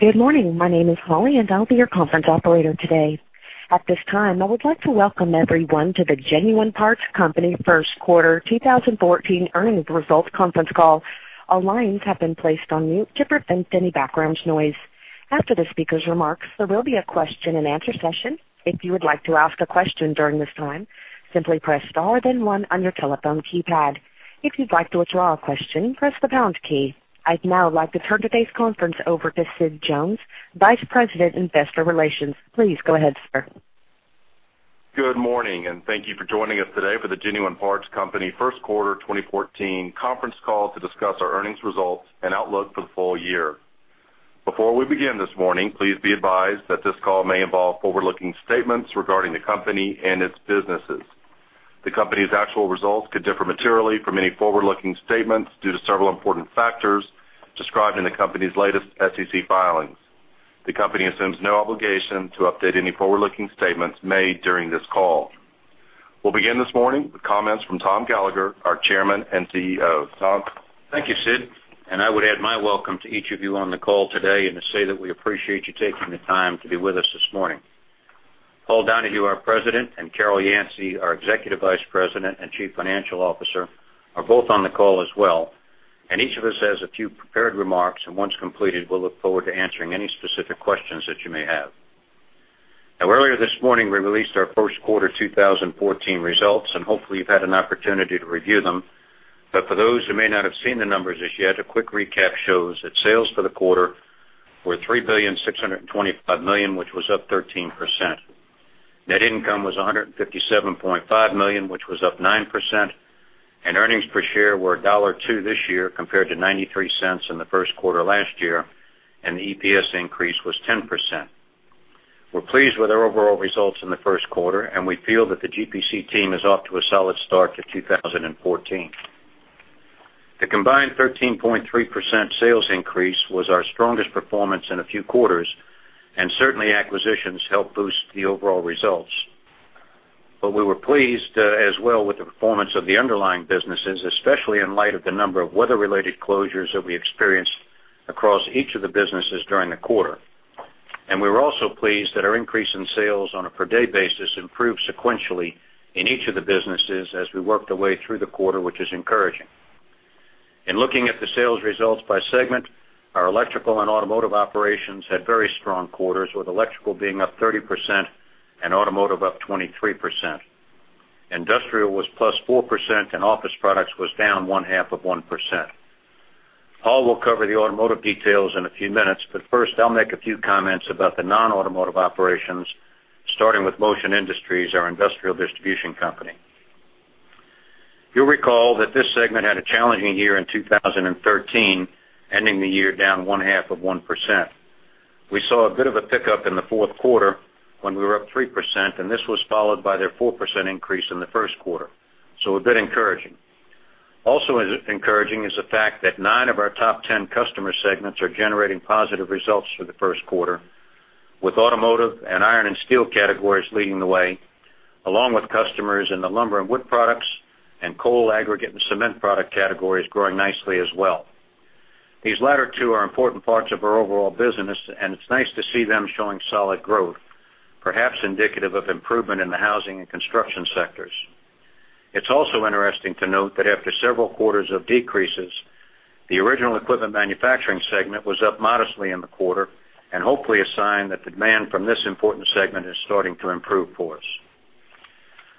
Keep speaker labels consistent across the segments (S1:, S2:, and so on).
S1: Good morning. My name is Holly, and I'll be your conference operator today. At this time, I would like to welcome everyone to the Genuine Parts Company First Quarter 2014 Earnings Results Conference Call. All lines have been placed on mute to prevent any background noise. After the speaker's remarks, there will be a question and answer session. If you would like to ask a question during this time, simply press star then one on your telephone keypad. If you'd like to withdraw a question, press the pound key. I'd now like to turn today's conference over to Sid Jones, Vice President, Investor Relations. Please go ahead, sir.
S2: Good morning. Thank you for joining us today for the Genuine Parts Company First Quarter 2014 conference call to discuss our earnings results and outlook for the full year. Before we begin this morning, please be advised that this call may involve forward-looking statements regarding the company and its businesses. The company's actual results could differ materially from any forward-looking statements due to several important factors described in the company's latest SEC filings. The company assumes no obligation to update any forward-looking statements made during this call. We'll begin this morning with comments from Tom Gallagher, our Chairman and CEO. Tom?
S3: Thank you, Sid. I would add my welcome to each of you on the call today and to say that we appreciate you taking the time to be with us this morning. Paul Donahue, our President, and Carol Yancey, our Executive Vice President and Chief Financial Officer, are both on the call as well. Each of us has a few prepared remarks, and once completed, we'll look forward to answering any specific questions that you may have. Earlier this morning, we released our first quarter 2014 results, and hopefully, you've had an opportunity to review them. For those who may not have seen the numbers just yet, a quick recap shows that sales for the quarter were $3.625 billion, which was up 13%. Net income was $157.5 million, which was up 9%. Earnings per share were $1.02 this year compared to $0.93 in the first quarter last year. The EPS increase was 10%. We're pleased with our overall results in the first quarter, and we feel that the GPC team is off to a solid start to 2014. The combined 13.3% sales increase was our strongest performance in a few quarters. Certainly, acquisitions helped boost the overall results. We were pleased as well with the performance of the underlying businesses, especially in light of the number of weather-related closures that we experienced across each of the businesses during the quarter. We're also pleased that our increase in sales on a per-day basis improved sequentially in each of the businesses as we worked our way through the quarter, which is encouraging. In looking at the sales results by segment, our electrical and automotive operations had very strong quarters, with electrical being up 30% and automotive up 23%. Industrial was +4% and office products was down one half of 1%. Paul will cover the automotive details in a few minutes, but first, I'll make a few comments about the non-automotive operations, starting with Motion Industries, our industrial distribution company. You'll recall that this segment had a challenging year in 2013, ending the year down one half of 1%. We saw a bit of a pickup in the fourth quarter when we were up 3%, and this was followed by their 4% increase in the first quarter. A bit encouraging. Encouraging is the fact that nine of our top ten customer segments are generating positive results for the first quarter, with automotive and iron and steel categories leading the way, along with customers in the lumber and wood products and coal aggregate and cement product categories growing nicely as well. These latter two are important parts of our overall business, and it's nice to see them showing solid growth, perhaps indicative of improvement in the housing and construction sectors. It's also interesting to note that after several quarters of decreases, the original equipment manufacturing segment was up modestly in the quarter and hopefully a sign that the demand from this important segment is starting to improve for us.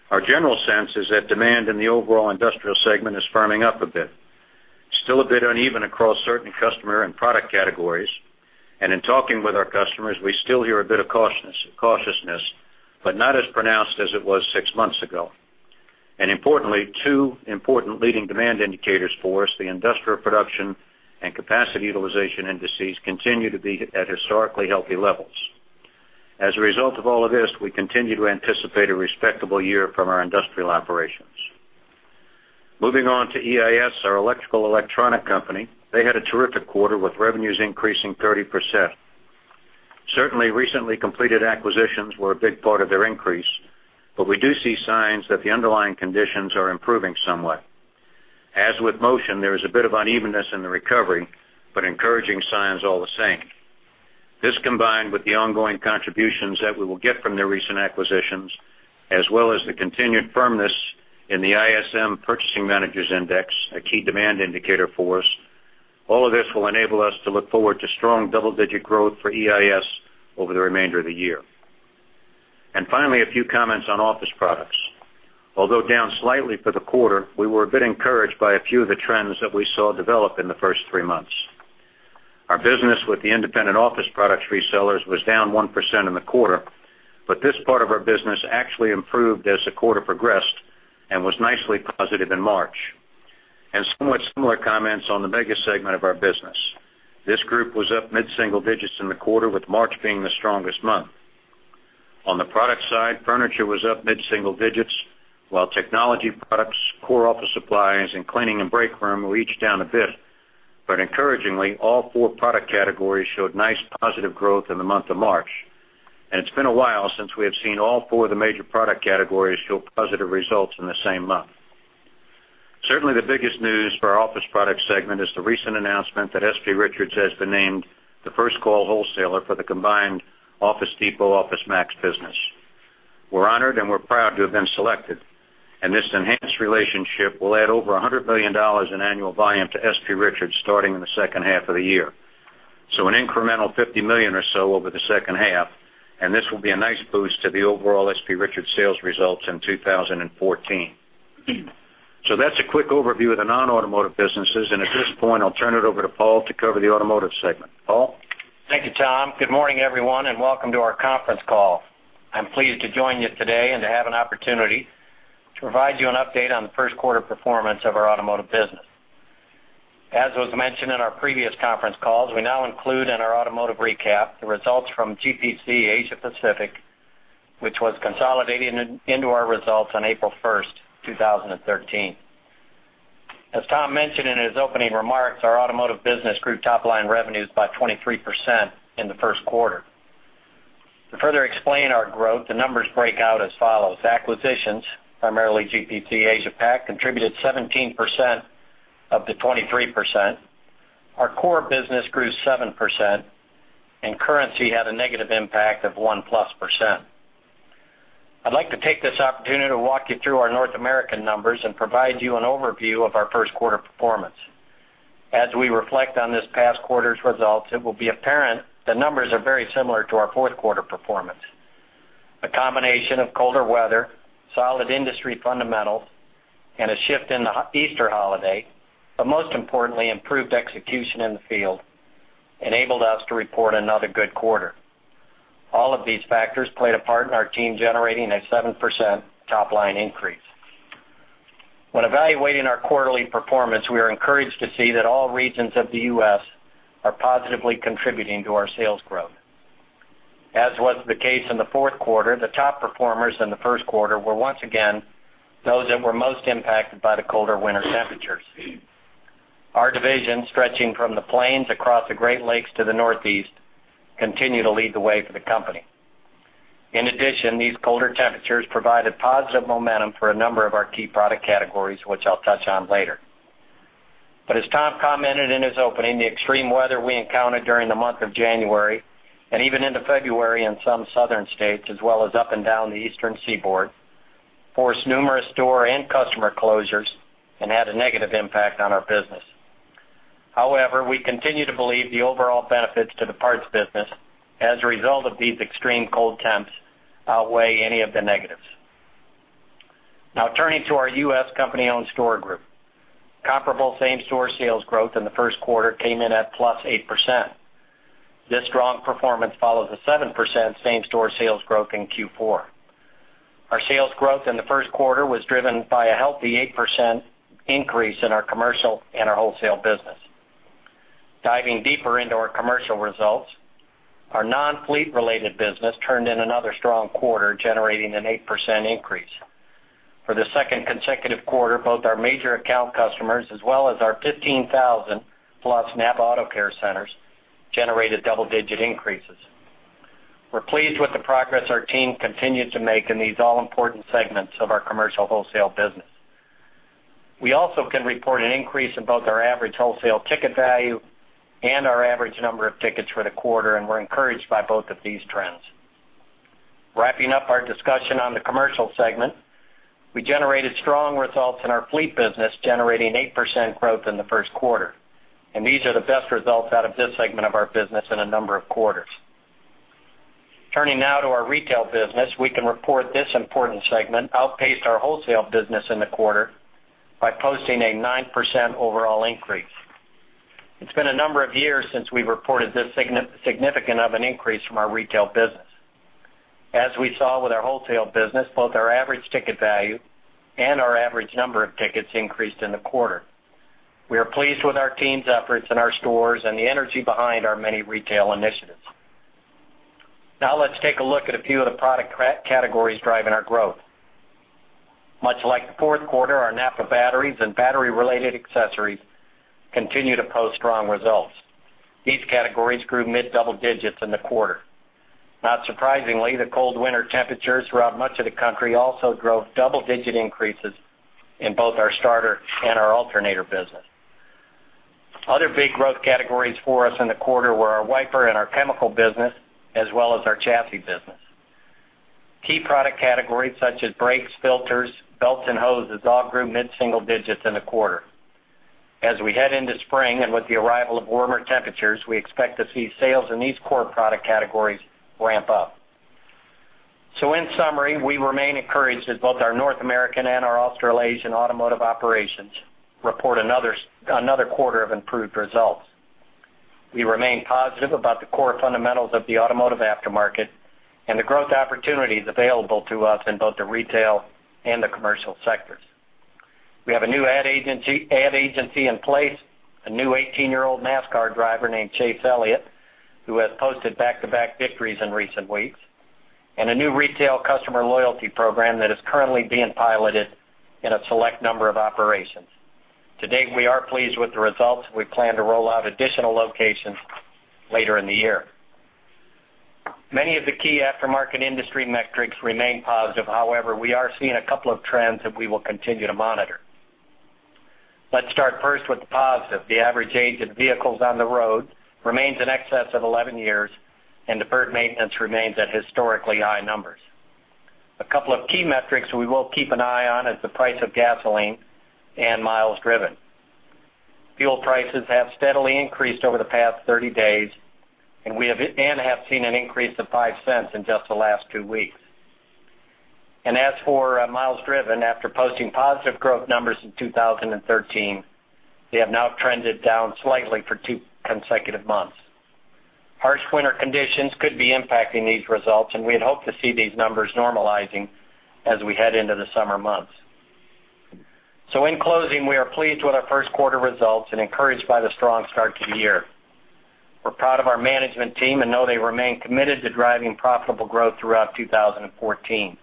S3: Our general sense is that demand in the overall industrial segment is firming up a bit. Still a bit uneven across certain customer and product categories, in talking with our customers, we still hear a bit of cautiousness, but not as pronounced as it was six months ago. Importantly, two important leading demand indicators for us, the industrial production and capacity utilization indices, continue to be at historically healthy levels. As a result of all of this, we continue to anticipate a respectable year from our industrial operations. Moving on to EIS, our electrical electronic company. They had a terrific quarter with revenues increasing 30%. Certainly, recently completed acquisitions were a big part of their increase, but we do see signs that the underlying conditions are improving somewhat. As with Motion, there is a bit of unevenness in the recovery, but encouraging signs all the same. This, combined with the ongoing contributions that we will get from the recent acquisitions, as well as the continued firmness in the ISM Purchasing Managers' Index, a key demand indicator for us, all of this will enable us to look forward to strong double-digit growth for EIS over the remainder of the year. Finally, a few comments on office products. Although down slightly for the quarter, we were a bit encouraged by a few of the trends that we saw develop in the first three months. Our business with the independent office products resellers was down 1% in the quarter, but this part of our business actually improved as the quarter progressed and was nicely positive in March. Somewhat similar comments on the biggest segment of our business. This group was up mid-single digits in the quarter, with March being the strongest month. On the product side, furniture was up mid-single digits, while technology products, core office supplies, and cleaning and breakroom were each down a bit. Encouragingly, all four product categories showed nice positive growth in the month of March. It's been a while since we have seen all four of the major product categories show positive results in the same month. Certainly, the biggest news for our office product segment is the recent announcement that S.P. Richards has been named the first call wholesaler for the combined Office Depot OfficeMax business. We're honored and we're proud to have been selected, and this enhanced relationship will add over $100 million in annual volume to S.P. Richards starting in the second half of the year. An incremental $50 million or so over the second half, and this will be a nice boost to the overall S.P. Richards sales results in 2014. That's a quick overview of the non-automotive businesses. At this point, I'll turn it over to Paul to cover the automotive segment. Paul?
S4: Thank you, Tom. Good morning, everyone, and welcome to our conference call. I'm pleased to join you today and to have an opportunity to provide you an update on the first quarter performance of our automotive business. As was mentioned in our previous conference calls, we now include in our automotive recap the results from GPC Asia Pacific, which was consolidated into our results on April 1st, 2013. As Tom mentioned in his opening remarks, our automotive business grew top-line revenues by 23% in the first quarter. To further explain our growth, the numbers break out as follows. Acquisitions, primarily GPC Asia Pac, contributed 17% of the 23%. Our core business grew 7%, and currency had a negative impact of one-plus %. I'd like to take this opportunity to walk you through our North American numbers and provide you an overview of our first quarter performance. As we reflect on this past quarter's results, it will be apparent the numbers are very similar to our fourth quarter performance. A combination of colder weather, solid industry fundamentals, and a shift in the Easter holiday, most importantly, improved execution in the field, enabled us to report another good quarter. All of these factors played a part in our team generating a 7% top-line increase. When evaluating our quarterly performance, we are encouraged to see that all regions of the U.S. are positively contributing to our sales growth. As was the case in the fourth quarter, the top performers in the first quarter were once again those that were most impacted by the colder winter temperatures. Our divisions stretching from the plains across the Great Lakes to the Northeast continue to lead the way for the company. In addition, these colder temperatures provided positive momentum for a number of our key product categories, which I will touch on later. As Tom commented in his opening, the extreme weather we encountered during the month of January and even into February in some southern states, as well as up and down the Eastern Seaboard, forced numerous store and customer closures and had a negative impact on our business. However, we continue to believe the overall benefits to the parts business as a result of these extreme cold temps outweigh any of the negatives. Turning to our U.S. company-owned store group. Comparable same-store sales growth in the first quarter came in at +8%. This strong performance follows a 7% same-store sales growth in Q4. Our sales growth in the first quarter was driven by a healthy 8% increase in our commercial and our wholesale business. Diving deeper into our commercial results, our non-fleet related business turned in another strong quarter, generating an 8% increase. For the second consecutive quarter, both our major account customers as well as our 15,000+ NAPA AutoCare centers generated double-digit increases. We are pleased with the progress our team continued to make in these all-important segments of our commercial wholesale business. We also can report an increase in both our average wholesale ticket value and our average number of tickets for the quarter. We are encouraged by both of these trends. Wrapping up our discussion on the commercial segment, we generated strong results in our fleet business, generating 8% growth in the first quarter. These are the best results out of this segment of our business in a number of quarters. Turning now to our retail business, we can report this important segment outpaced our wholesale business in the quarter by posting a 9% overall increase. It has been a number of years since we have reported this significant of an increase from our retail business. As we saw with our wholesale business, both our average ticket value and our average number of tickets increased in the quarter. We are pleased with our team's efforts in our stores and the energy behind our many retail initiatives. Now let us take a look at a few of the product categories driving our growth. Much like the fourth quarter, our NAPA batteries and battery-related accessories continue to post strong results. These categories grew mid-double digits in the quarter. Not surprisingly, the cold winter temperatures throughout much of the country also drove double-digit increases in both our starter and our alternator business. Other big growth categories for us in the quarter were our wiper and our chemical business, as well as our chassis business. Key product categories such as brakes, filters, belts, and hoses all grew mid-single digits in the quarter. As we head into spring and with the arrival of warmer temperatures, we expect to see sales in these core product categories ramp up. In summary, we remain encouraged that both our North American and our Australasian automotive operations report another quarter of improved results. We remain positive about the core fundamentals of the automotive aftermarket and the growth opportunities available to us in both the retail and the commercial sectors. We have a new ad agency in place, a new 18-year-old NASCAR driver named Chase Elliott, who has posted back-to-back victories in recent weeks, and a new retail customer loyalty program that is currently being piloted in a select number of operations. To date, we are pleased with the results. We plan to roll out additional locations later in the year. Many of the key aftermarket industry metrics remain positive. However, we are seeing a couple of trends that we will continue to monitor. Let's start first with the positive. The average age of vehicles on the road remains in excess of 11 years, and deferred maintenance remains at historically high numbers. A couple of key metrics we will keep an eye on is the price of gasoline and miles driven. Fuel prices have steadily increased over the past 30 days and have seen an increase of $0.05 in just the last two weeks. As for miles driven, after posting positive growth numbers in 2013, they have now trended down slightly for two consecutive months. Harsh winter conditions could be impacting these results, and we'd hope to see these numbers normalizing as we head into the summer months. In closing, we are pleased with our first quarter results and encouraged by the strong start to the year. We're proud of our management team and know they remain committed to driving profitable growth throughout 2014.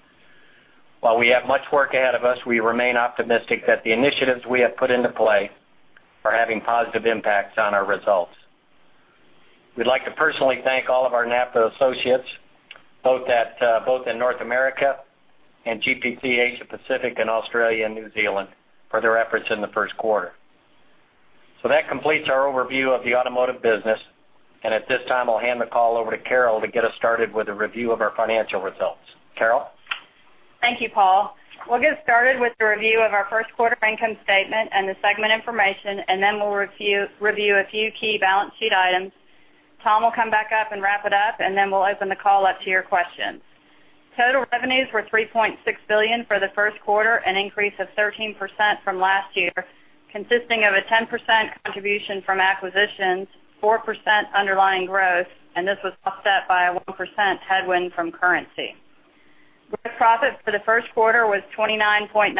S4: While we have much work ahead of us, we remain optimistic that the initiatives we have put into play are having positive impacts on our results. We'd like to personally thank all of our NAPA associates, both in North America and GPC Asia Pacific, and Australia and New Zealand for their efforts in the first quarter. That completes our overview of the automotive business. At this time, I'll hand the call over to Carol to get us started with a review of our financial results. Carol?
S5: Thank you, Paul. We'll get started with the review of our first quarter income statement and the segment information, then we'll review a few key balance sheet items. Tom will come back up and wrap it up, then we'll open the call up to your questions. Total revenues were $3.6 billion for the first quarter, an increase of 13% from last year, consisting of a 10% contribution from acquisitions, 4% underlying growth, this was offset by a 1% headwind from currency. Gross profit for the first quarter was 29.9%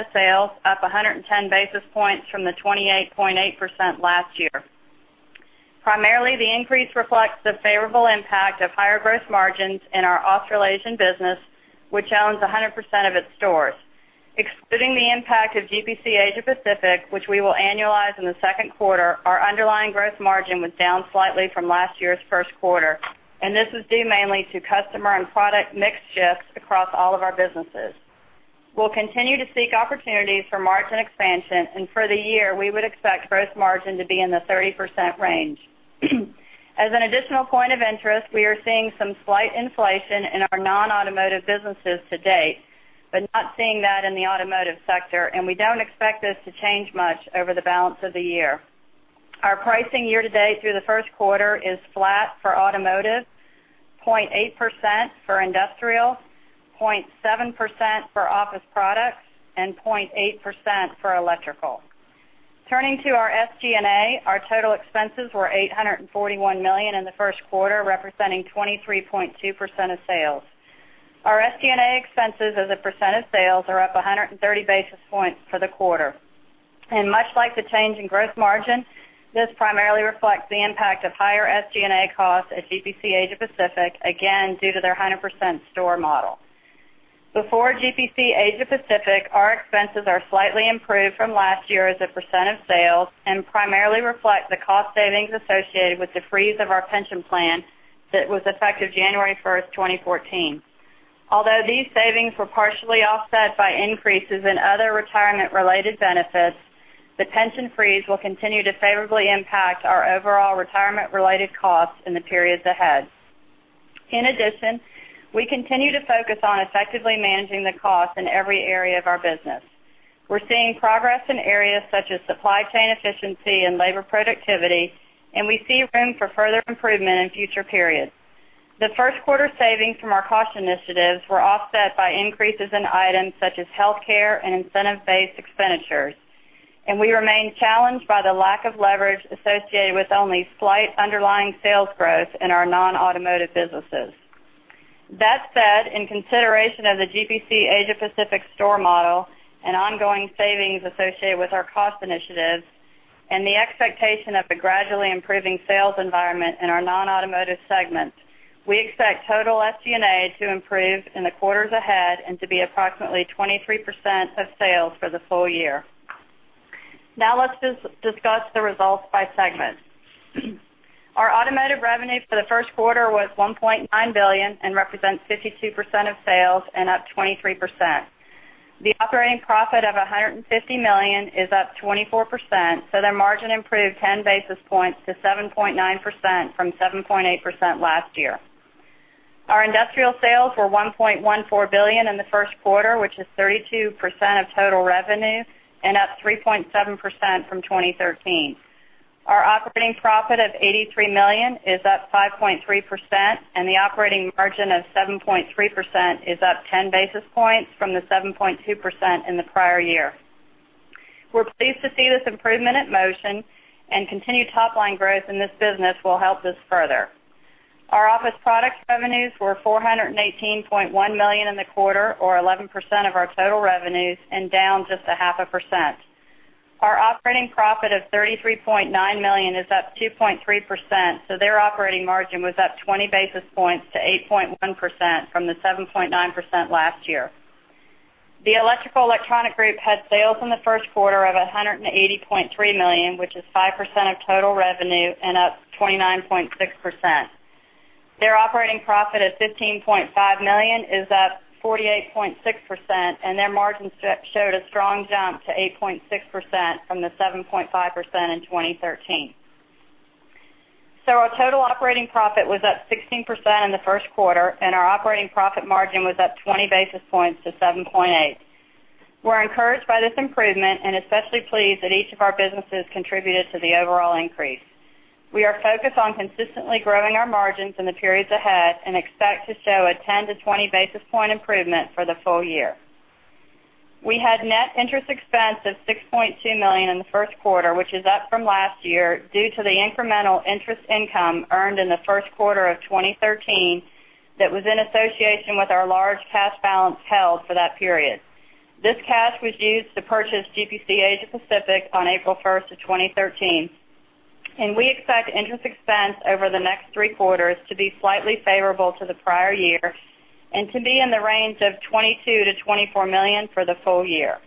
S5: of sales, up 110 basis points from the 28.8% last year. Primarily, the increase reflects the favorable impact of higher gross margins in our Australasian business, which owns 100% of its stores. Excluding the impact of GPC Asia Pacific, which we will annualize in the second quarter, our underlying gross margin was down slightly from last year's first quarter. This was due mainly to customer and product mix shifts across all of our businesses. We'll continue to seek opportunities for margin expansion. For the year, we would expect gross margin to be in the 30% range. As an additional point of interest, we are seeing some slight inflation in our non-automotive businesses to date, but not seeing that in the automotive sector. We don't expect this to change much over the balance of the year. Our pricing year-to-date through the first quarter is flat for automotive, 0.8% for industrial, 0.7% for office products, and 0.8% for electrical. Turning to our SG&A, our total expenses were $841 million in the first quarter, representing 23.2% of sales. Our SG&A expenses as a percent of sales are up 130 basis points for the quarter. Much like the change in gross margin, this primarily reflects the impact of higher SG&A costs at GPC Asia Pacific, again, due to their 100% store model. Before GPC Asia Pacific, our expenses are slightly improved from last year as a percent of sales and primarily reflect the cost savings associated with the freeze of our pension plan that was effective January 1st, 2014. Although these savings were partially offset by increases in other retirement-related benefits, the pension freeze will continue to favorably impact our overall retirement-related costs in the periods ahead. In addition, we continue to focus on effectively managing the cost in every area of our business. We're seeing progress in areas such as supply chain efficiency and labor productivity. We see room for further improvement in future periods. The first quarter savings from our cost initiatives were offset by increases in items such as healthcare and incentive-based expenditures. We remain challenged by the lack of leverage associated with only slight underlying sales growth in our non-automotive businesses. That said, in consideration of the GPC Asia Pacific store model and ongoing savings associated with our cost initiatives and the expectation of a gradually improving sales environment in our non-automotive segments, we expect total SG&A to improve in the quarters ahead and to be approximately 23% of sales for the full year. Let's discuss the results by segment. Our automotive revenue for the first quarter was $1.9 billion, represents 52% of sales, and up 23%. The operating profit of $150 million is up 24%. Their margin improved 10 basis points to 7.9% from 7.8% last year. Our industrial sales were $1.14 billion in the first quarter, which is 32% of total revenue, up 3.7% from 2013. Our operating profit of $83 million is up 5.3%. The operating margin of 7.3% is up 10 basis points from the 7.2% in the prior year. We're pleased to see this improvement in motion and continued top-line growth in this business will help this further. Our office product revenues were $418.1 million in the quarter or 11% of our total revenues, down just a half a percent. Our operating profit of $33.9 million is up 2.3%. Their operating margin was up 20 basis points to 8.1% from the 7.9% last year. The Electrical & Electronic Group had sales in the first quarter of $180.3 million, which is 5% of total revenue, up 29.6%. Their operating profit of $15.5 million is up 48.6%, and their margins showed a strong jump to 8.6% from the 7.5% in 2013. Our total operating profit was up 16% in the first quarter, and our operating profit margin was up 20 basis points to 7.8%. We're encouraged by this improvement and especially pleased that each of our businesses contributed to the overall increase. We are focused on consistently growing our margins in the periods ahead and expect to show a 10 to 20 basis point improvement for the full year. We had net interest expense of $6.2 million in the first quarter, which is up from last year due to the incremental interest income earned in the first quarter of 2013 that was in association with our large cash balance held for that period. This cash was used to purchase GPC Asia Pacific on April 1st of 2013. We expect interest expense over the next three quarters to be slightly favorable to the prior year and to be in the range of $22 million-$24 million for the full year.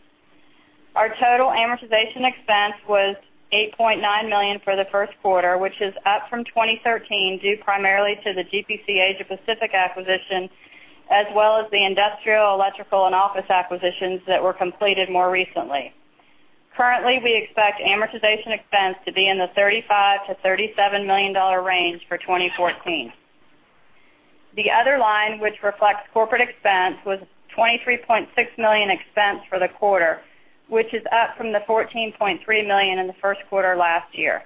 S5: Our total amortization expense was $8.9 million for the first quarter, which is up from 2013, due primarily to the GPC Asia Pacific acquisition, as well as the industrial, electrical, and office acquisitions that were completed more recently. Currently, we expect amortization expense to be in the $35 million-$37 million range for 2014. The other line, which reflects corporate expense, was $23.6 million expense for the quarter, which is up from the $14.3 million in the first quarter last year.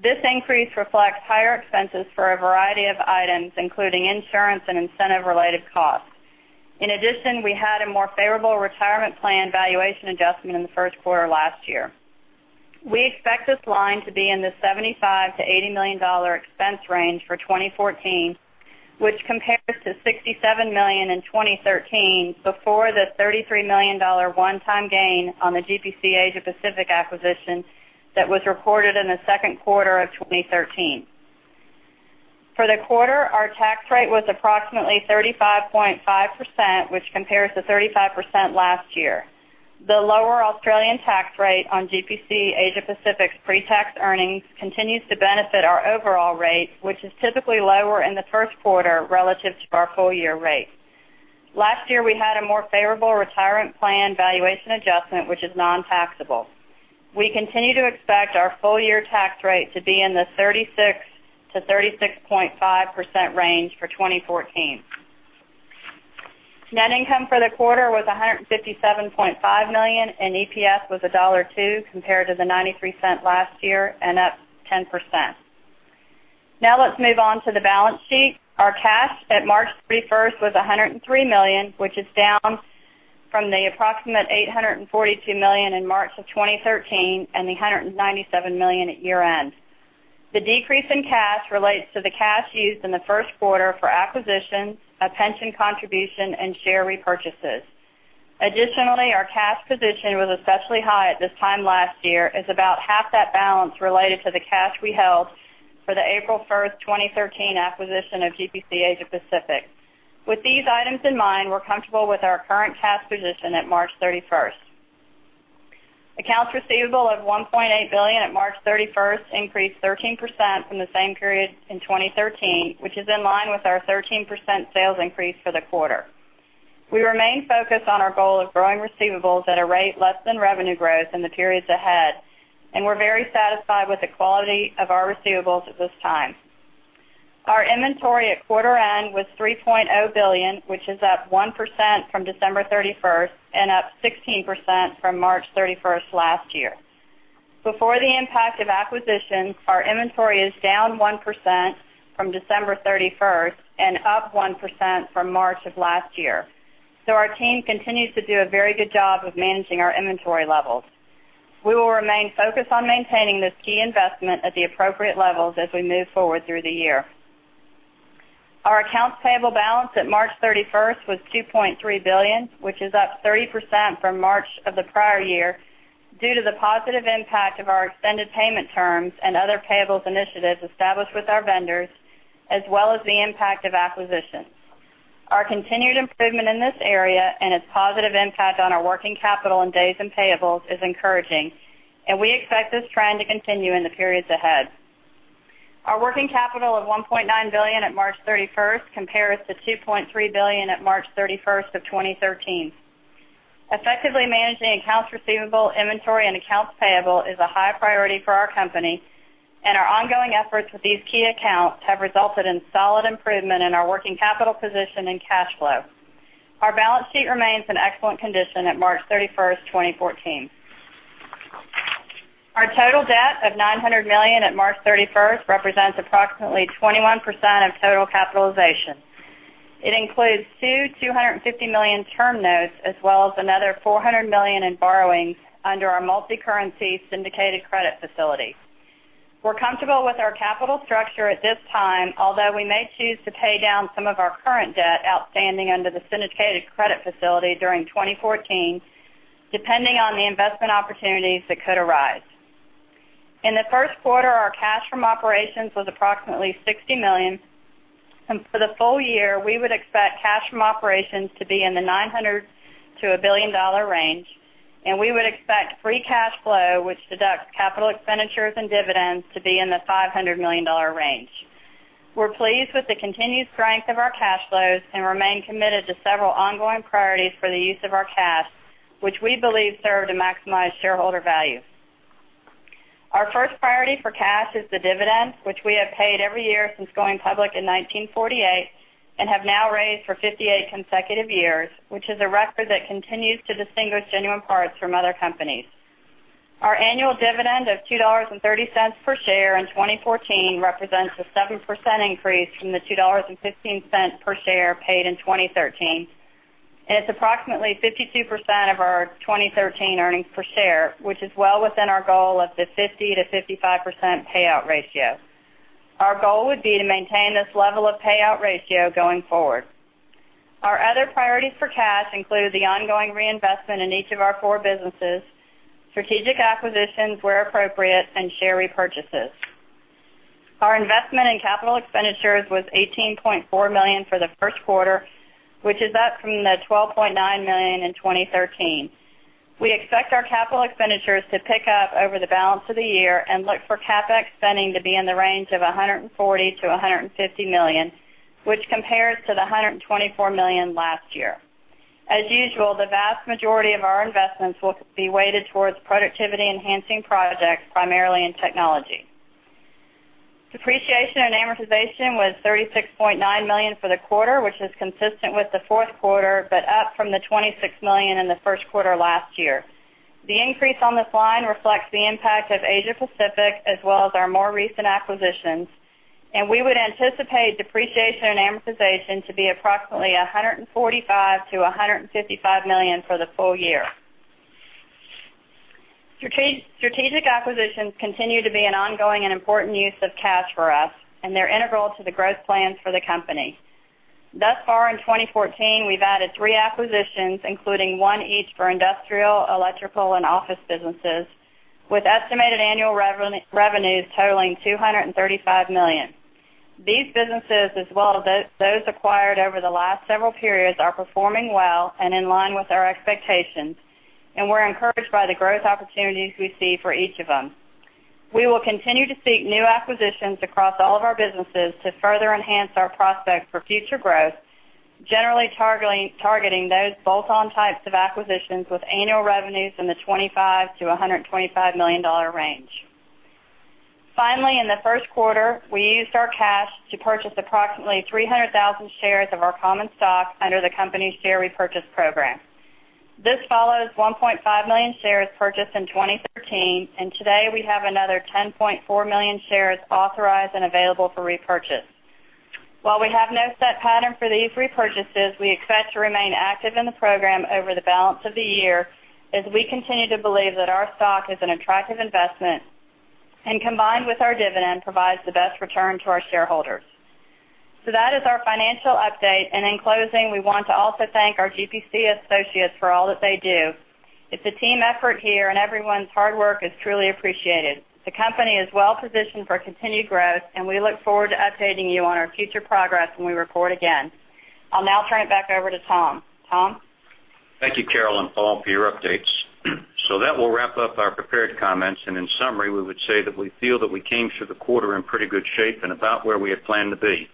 S5: This increase reflects higher expenses for a variety of items, including insurance and incentive-related costs. In addition, we had a more favorable retirement plan valuation adjustment in the first quarter last year. We expect this line to be in the $75 million-$80 million expense range for 2014, which compares to $67 million in 2013 before the $33 million one-time gain on the GPC Asia Pacific acquisition that was recorded in the second quarter of 2013. For the quarter, our tax rate was approximately 35.5%, which compares to 35% last year. The lower Australian tax rate on GPC Asia Pacific's pretax earnings continues to benefit our overall rate, which is typically lower in the first quarter relative to our full year rate. Last year, we had a more favorable retirement plan valuation adjustment, which is non-taxable. We continue to expect our full year tax rate to be in the 36%-36.5% range for 2014. Net income for the quarter was $157.5 million, and EPS was $1.02, compared to the $0.93 last year, and up 10%. Let's move on to the balance sheet. Our cash at March 31st was $103 million, which is down from the approximate $842 million in March of 2013 and the $197 million at year-end. The decrease in cash relates to the cash used in the first quarter for acquisitions, a pension contribution, and share repurchases. Additionally, our cash position was especially high at this time last year, as about half that balance related to the cash we held for the April 1st, 2013 acquisition of GPC Asia Pacific. With these items in mind, we're comfortable with our current cash position at March 31st. Accounts receivable of $1.8 billion at March 31st increased 13% from the same period in 2013, which is in line with our 13% sales increase for the quarter. We remain focused on our goal of growing receivables at a rate less than revenue growth in the periods ahead, we're very satisfied with the quality of our receivables at this time. Our inventory at quarter end was $3.0 billion, which is up 1% from December 31st and up 16% from March 31st last year. Before the impact of acquisitions, our inventory is down 1% from December 31st and up 1% from March of last year. Our team continues to do a very good job of managing our inventory levels. We will remain focused on maintaining this key investment at the appropriate levels as we move forward through the year. Our accounts payable balance at March 31st was $2.3 billion, which is up 30% from March of the prior year due to the positive impact of our extended payment terms and other payables initiatives established with our vendors, as well as the impact of acquisitions. Our continued improvement in this area and its positive impact on our working capital in days and payables is encouraging, we expect this trend to continue in the periods ahead. Our working capital of $1.9 billion at March 31st compares to $2.3 billion at March 31st of 2013. Effectively managing accounts receivable, inventory, and accounts payable is a high priority for our company, our ongoing efforts with these key accounts have resulted in solid improvement in our working capital position and cash flow. Our balance sheet remains in excellent condition at March 31st, 2014. Our total debt of $900 million at March 31st represents approximately 21% of total capitalization. It includes two $250 million term notes as well as another $400 million in borrowings under our multi-currency syndicated credit facility. We're comfortable with our capital structure at this time, although we may choose to pay down some of our current debt outstanding under the syndicated credit facility during 2014, depending on the investment opportunities that could arise. In the first quarter, our cash from operations was approximately $60 million. For the full year, we would expect cash from operations to be in the $900 million to $1 billion range, we would expect free cash flow, which deducts capital expenditures and dividends, to be in the $500 million range. We're pleased with the continued strength of our cash flows, remain committed to several ongoing priorities for the use of our cash, which we believe serve to maximize shareholder value. Our first priority for cash is the dividend, which we have paid every year since going public in 1948 and have now raised for 58 consecutive years, which is a record that continues to distinguish Genuine Parts from other companies. Our annual dividend of $2.30 per share in 2014 represents a 7% increase from the $2.15 per share paid in 2013, it's approximately 52% of our 2013 earnings per share, which is well within our goal of the 50%-55% payout ratio. Our goal would be to maintain this level of payout ratio going forward. Our other priorities for cash include the ongoing reinvestment in each of our four businesses, strategic acquisitions where appropriate, share repurchases. Our investment in capital expenditures was $18.4 million for the first quarter, which is up from the $12.9 million in 2013. We expect our capital expenditures to pick up over the balance of the year and look for CapEx spending to be in the range of $140 million-$150 million, which compares to the $124 million last year. As usual, the vast majority of our investments will be weighted towards productivity-enhancing projects, primarily in technology. Depreciation and amortization was $36.9 million for the quarter, which is consistent with the fourth quarter, but up from the $26 million in the first quarter last year. The increase on this line reflects the impact of Asia Pacific as well as our more recent acquisitions. We would anticipate depreciation and amortization to be approximately $145 million-$155 million for the full year. Strategic acquisitions continue to be an ongoing and important use of cash for us. They're integral to the growth plans for the company. Thus far in 2014, we've added three acquisitions, including one each for industrial, electrical, and office businesses, with estimated annual revenues totaling $235 million. These businesses, as well as those acquired over the last several periods, are performing well and in line with our expectations. We're encouraged by the growth opportunities we see for each of them. We will continue to seek new acquisitions across all of our businesses to further enhance our prospects for future growth, generally targeting those bolt-on types of acquisitions with annual revenues in the $25 million-$125 million range. Finally, in the first quarter, we used our cash to purchase approximately 300,000 shares of our common stock under the company's share repurchase program. This follows 1.5 million shares purchased in 2013. Today we have another 10.4 million shares authorized and available for repurchase. While we have no set pattern for these repurchases, we expect to remain active in the program over the balance of the year as we continue to believe that our stock is an attractive investment and, combined with our dividend, provides the best return to our shareholders. That is our financial update. In closing, we want to also thank our GPC associates for all that they do. It's a team effort here. Everyone's hard work is truly appreciated. The company is well positioned for continued growth. We look forward to updating you on our future progress when we report again. I'll now turn it back over to Tom. Tom?
S3: Thank you, Carol and Paul, for your updates. That will wrap up our prepared comments. In summary, we would say that we feel that we came through the quarter in pretty good shape and about where we had planned to be.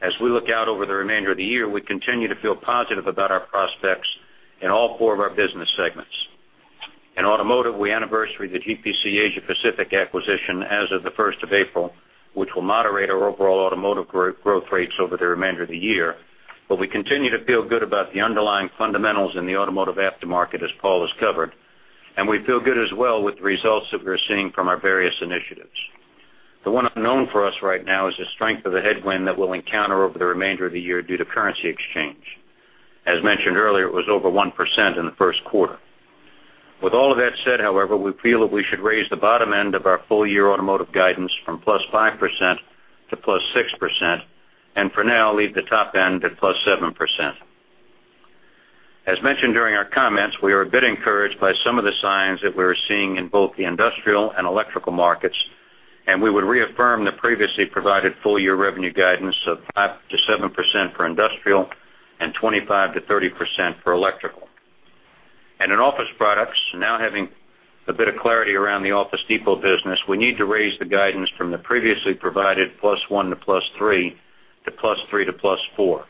S3: As we look out over the remainder of the year, we continue to feel positive about our prospects in all four of our business segments. In Automotive, we anniversary the GPC Asia Pacific acquisition as of the 1st of April, which will moderate our overall Automotive growth rates over the remainder of the year. We continue to feel good about the underlying fundamentals in the automotive aftermarket, as Paul has covered. We feel good as well with the results that we're seeing from our various initiatives. The one unknown for us right now is the strength of the headwind that we'll encounter over the remainder of the year due to currency exchange. As mentioned earlier, it was over 1% in the first quarter. With all of that said, however, we feel that we should raise the bottom end of our full-year Automotive guidance from +5% to +6%, and for now, leave the top end at +7%. As mentioned during our comments, we are a bit encouraged by some of the signs that we're seeing in both the Industrial and Electrical markets, and we would reaffirm the previously provided full-year revenue guidance of 5%-7% for Industrial and 25%-30% for Electrical. In Office Products, now having a bit of clarity around the Office Depot business, we need to raise the guidance from the previously provided +1% to +3% to +3% to +4%.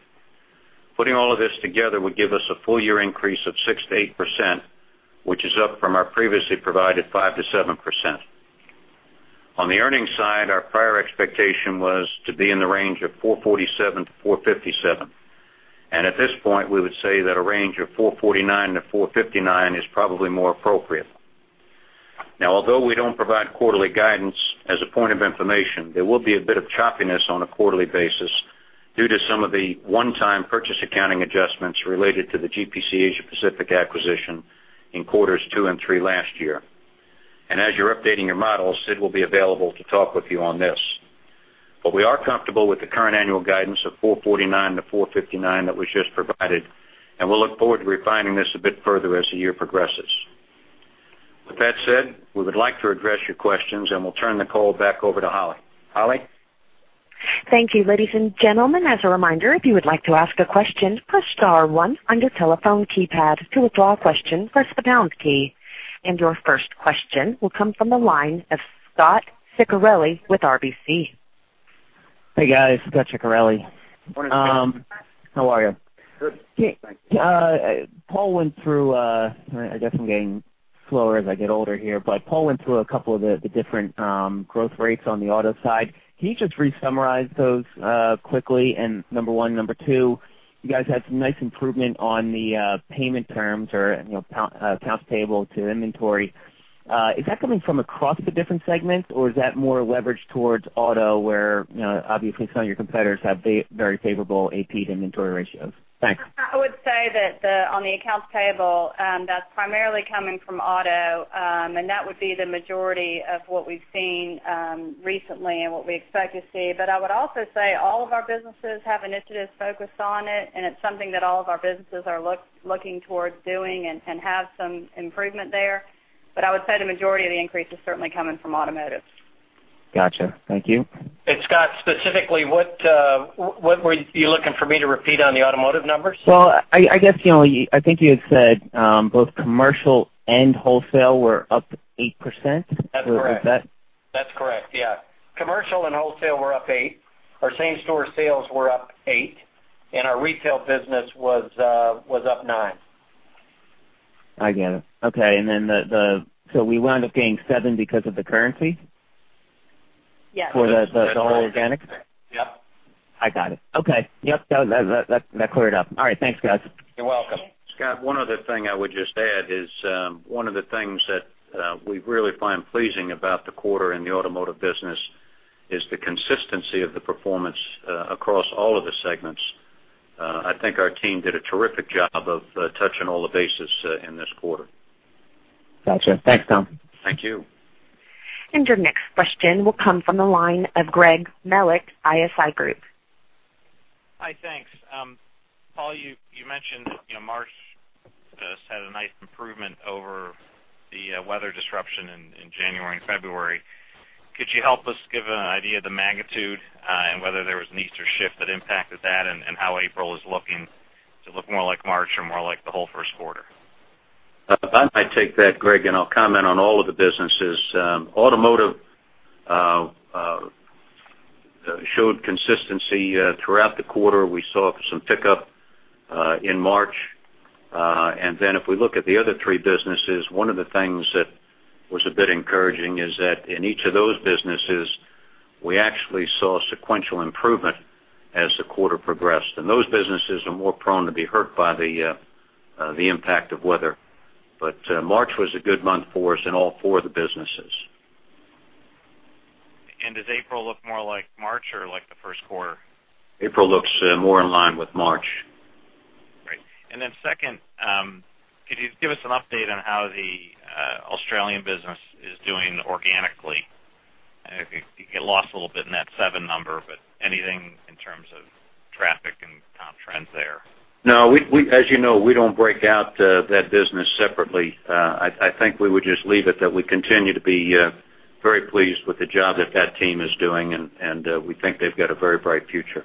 S3: Putting all of this together would give us a full-year increase of 6%-8%, which is up from our previously provided 5%-7%. On the earnings side, our prior expectation was to be in the range of $4.47-$4.57. At this point, we would say that a range of $4.49-$4.59 is probably more appropriate. Although we don't provide quarterly guidance as a point of information, there will be a bit of choppiness on a quarterly basis due to some of the one-time purchase accounting adjustments related to the GPC Asia Pacific acquisition in quarters two and three last year. As you're updating your models, Sid will be available to talk with you on this. We are comfortable with the current annual guidance of $4.49-$4.59 that was just provided, and we'll look forward to refining this a bit further as the year progresses. With that said, we would like to address your questions, and we'll turn the call back over to Holly. Holly?
S1: Thank you, ladies and gentlemen. As a reminder, if you would like to ask a question, press star one on your telephone keypad. To withdraw a question, press the pound key. Your first question will come from the line of Scot Ciccarelli with RBC.
S6: Hey, guys. Scot Ciccarelli.
S3: Morning, Scot.
S6: How are you?
S3: Good, thanks.
S6: Paul went through-- I guess I'm getting slower as I get older here, but Paul Donahue went through a couple of the different growth rates on the auto side. Can you just re-summarize those quickly? Number 1, number 2, you guys had some nice improvement on the payment terms or accounts payable to inventory. Is that coming from across the different segments, or is that more leverage towards auto, where obviously some of your competitors have very favorable AP to inventory ratios? Thanks.
S5: I would say that on the accounts payable, that's primarily coming from auto, and that would be the majority of what we've seen recently and what we expect to see. I would also say all of our businesses have initiatives focused on it, and it's something that all of our businesses are looking towards doing and have some improvement there. I would say the majority of the increase is certainly coming from automotive.
S6: Got you. Thank you.
S4: Scot, specifically, what were you looking for me to repeat on the automotive numbers?
S6: Well, I guess, I think you had said both commercial and wholesale were up 8%.
S4: That's correct.
S6: Was that?
S4: That's correct. Yeah. Commercial and wholesale were up 8%. Our same store sales were up 8%. Our retail business was up 9%.
S6: I get it. Okay. We wound up getting 7 because of the currency?
S5: Yes.
S6: For the all organic?
S4: Yeah.
S6: I got it. Okay. Yep, that cleared it up. All right. Thanks, guys.
S4: You're welcome.
S5: Thanks.
S3: Scot, one other thing I would just add is, one of the things that we really find pleasing about the quarter in the automotive business is the consistency of the performance across all of the segments. I think our team did a terrific job of touching all the bases in this quarter.
S6: Got you. Thanks, Tom.
S3: Thank you.
S1: Your next question will come from the line of Greg Melich, ISI Group.
S7: Hi, thanks. Paul, you mentioned March had a nice improvement over the weather disruption in January and February. Could you help us give an idea of the magnitude and whether there was an Easter shift that impacted that, and how April is looking? Does it look more like March or more like the whole first quarter?
S3: I might take that, Greg, I'll comment on all of the businesses. Automotive showed consistency throughout the quarter. We saw some pickup in March. Then if we look at the other three businesses, one of the things that was a bit encouraging is that in each of those businesses, we actually saw sequential improvement as the quarter progressed, and those businesses are more prone to be hurt by the impact of weather. March was a good month for us in all four of the businesses.
S7: Does April look more like March or like the first quarter?
S3: April looks more in line with March.
S7: Great. Second, could you give us an update on how the Australian business is doing organically? I think it got lost a little bit in that seven number, but anything in terms of traffic and comp trends there?
S3: No. As you know, we don't break out that business separately. I think we would just leave it that we continue to be very pleased with the job that that team is doing, and we think they've got a very bright future.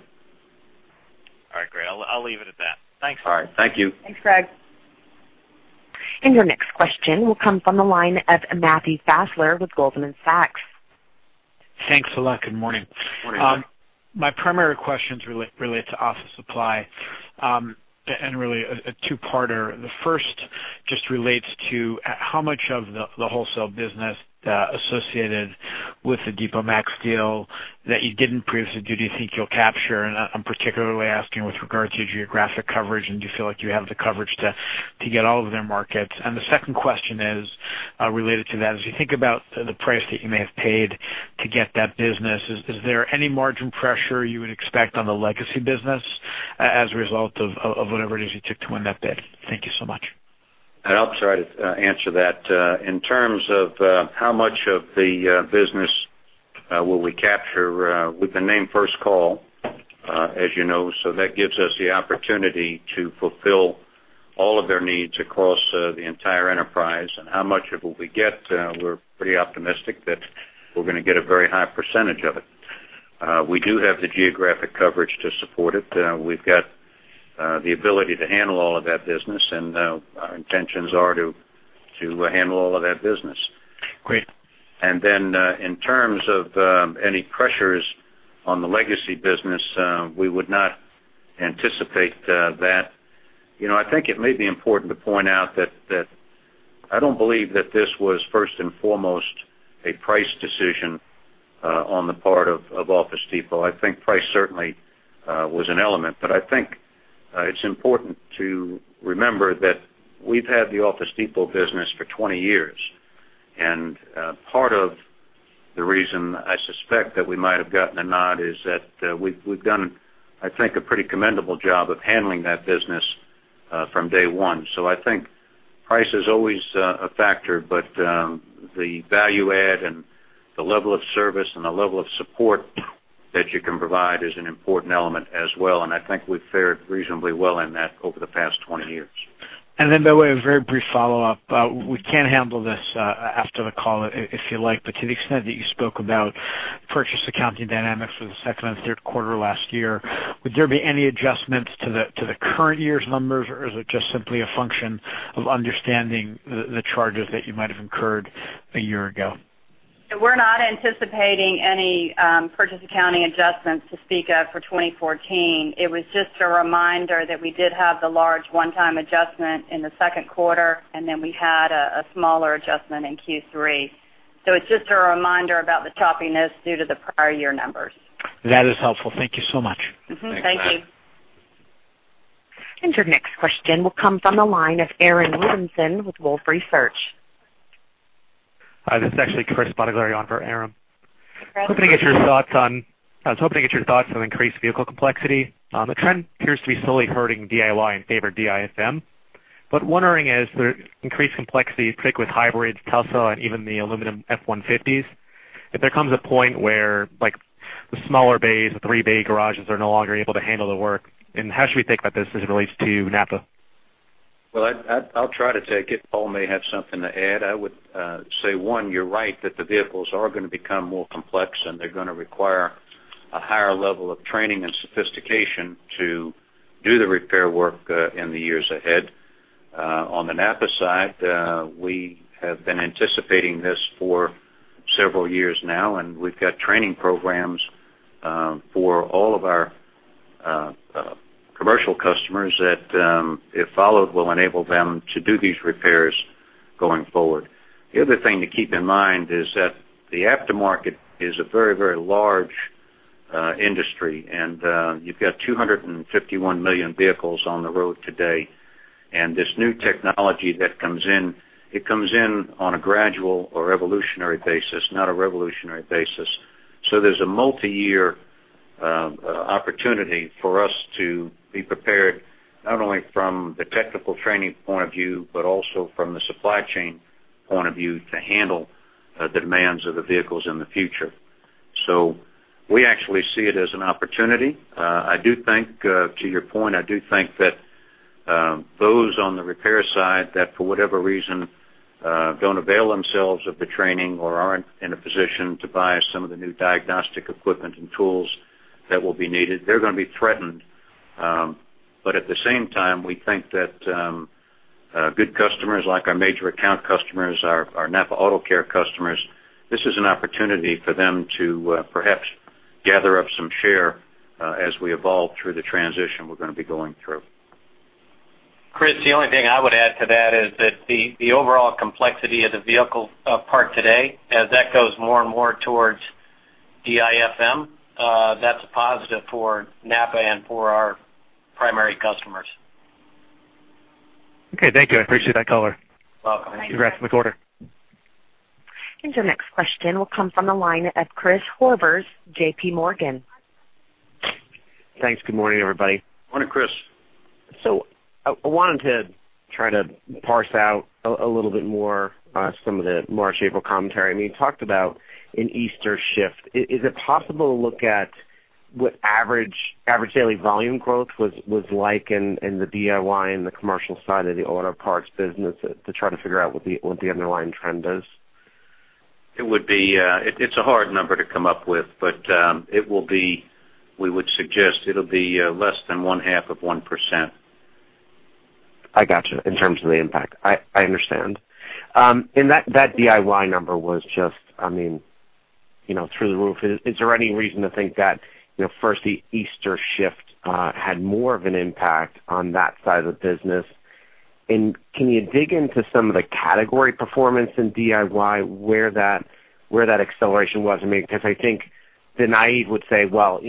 S7: All right, great. I'll leave it at that. Thanks.
S3: All right. Thank you.
S5: Thanks, Greg.
S1: Your next question will come from the line of Matthew Fassler with Goldman Sachs.
S8: Thanks a lot. Good morning.
S3: Morning.
S8: My primary questions relate to Office Supply, and really a two-parter. The first just relates to how much of the wholesale business associated with the Depot Max deal that you didn't previously do you think you'll capture? I'm particularly asking with regard to geographic coverage, and do you feel like you have the coverage to get all of their markets? The second question is related to that. As you think about the price that you may have paid to get that business, is there any margin pressure you would expect on the legacy business as a result of whatever it is you took to win that bid? Thank you so much.
S3: I'll try to answer that. In terms of how much of the business will we capture, we've been named first call, as you know, so that gives us the opportunity to fulfill all of their needs across the entire enterprise. How much of it we get, we're pretty optimistic that we're going to get a very high percentage of it. We do have the geographic coverage to support it. We've got the ability to handle all of that business, and our intentions are to handle all of that business.
S8: Great.
S3: In terms of any pressures on the legacy business, we would not anticipate that. I think it may be important to point out that I don't believe that this was first and foremost a price decision on the part of Office Depot. I think price certainly was an element, but I think it's important to remember that we've had the Office Depot business for 20 years. Part of the reason I suspect that we might have gotten a nod is that we've done, I think, a pretty commendable job of handling that business from day one. I think price is always a factor, but the value add and the level of service and the level of support that you can provide is an important element as well. I think we've fared reasonably well in that over the past 20 years.
S8: By the way, a very brief follow-up. We can handle this after the call if you like, but to the extent that you spoke about purchase accounting dynamics for the second and third quarter last year, would there be any adjustments to the current year's numbers, or is it just simply a function of understanding the charges that you might have incurred a year ago?
S5: We're not anticipating any purchase accounting adjustments to speak of for 2014. It was just a reminder that we did have the large one-time adjustment in the second quarter, and then we had a smaller adjustment in Q3. It's just a reminder about the choppiness due to the prior year numbers.
S8: That is helpful. Thank you so much.
S5: Mm-hmm. Thank you.
S4: Thanks, Matt.
S1: Your next question will come from the line of Aaron Williamson with Wolfe Research.
S9: Hi, this is actually Chris Bottiglieri for Aaron.
S1: Chris, go ahead.
S9: I was hoping to get your thoughts on increased vehicle complexity. The trend appears to be slowly hurting DIY in favor of DIFM. Wondering as the increased complexity, particularly with hybrids, Tesla, and even the aluminum F-150s, if there comes a point where the smaller bays, the three-bay garages are no longer able to handle the work. How should we think about this as it relates to NAPA?
S3: Well, I'll try to take it. Paul may have something to add. I would say, one, you're right that the vehicles are going to become more complex, and they're going to require a higher level of training and sophistication to do the repair work in the years ahead. On the NAPA side, we have been anticipating this for several years now, and we've got training programs for all of our commercial customers that, if followed, will enable them to do these repairs going forward. The other thing to keep in mind is that the aftermarket is a very, very large industry, and you've got 251 million vehicles on the road today. This new technology that comes in, it comes in on a gradual or evolutionary basis, not a revolutionary basis. There's a multi-year opportunity for us to be prepared, not only from the technical training point of view, but also from the supply chain point of view to handle the demands of the vehicles in the future. We actually see it as an opportunity. To your point, I do think that those on the repair side that, for whatever reason, don't avail themselves of the training or aren't in a position to buy some of the new diagnostic equipment and tools that will be needed, they're going to be threatened. At the same time, we think that good customers, like our major account customers, our NAPA AutoCare customers, this is an opportunity for them to perhaps gather up some share, as we evolve through the transition we're going to be going through.
S4: Chris, the only thing I would add to that is that the overall complexity of the vehicle part today, as that goes more and more towards DIFM, that's a positive for NAPA and for our primary customers.
S9: Okay. Thank you. I appreciate that color.
S4: You're welcome.
S9: Congrats on the quarter.
S1: Your next question will come from the line of Christopher Horvers, J.P. Morgan.
S10: Thanks. Good morning, everybody.
S3: Morning, Chris.
S10: I wanted to try to parse out a little bit more some of the March, April commentary. You talked about an Easter shift. Is it possible to look at what average daily volume growth was like in the DIY and the commercial side of the auto parts business to try to figure out what the underlying trend is?
S3: It's a hard number to come up with, but we would suggest it'll be less than one half of 1%.
S10: I got you. In terms of the impact. I understand. That DIY number was just through the roof. Is there any reason to think that firstly, Easter shift had more of an impact on that side of the business? Can you dig into some of the category performance in DIY, where that acceleration was? I think the naive would say, "Well,